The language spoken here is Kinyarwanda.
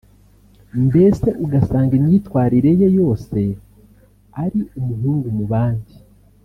mbese ugasanga imyitwarire ye yose ari umuhungu mu bandi